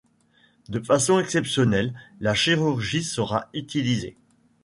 De façon exceptionnelle, la chirurgie sera utilisée.